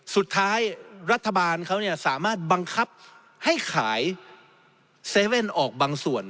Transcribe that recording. สุดท้ายรัฐบาลเขาสามารถบังคับให้ขาย๗๑๑ออกบางส่วน